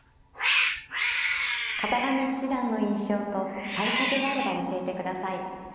片上七段の印象と対策があれば教えてください。